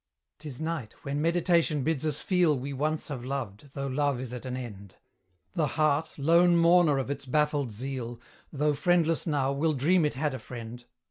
'Tis night, when Meditation bids us feel We once have loved, though love is at an end: The heart, lone mourner of its baffled zeal, Though friendless now, will dream it had a friend.